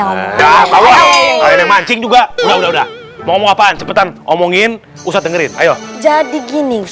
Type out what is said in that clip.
aja kalau mancing juga udah mau ngomong apaan cepetan omongin usah dengerin ayo jadi gini